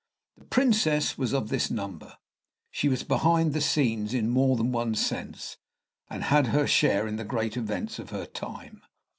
The Princess was of this number. She was behind the scenes, in more than one sense, and had her share in the great events of her time.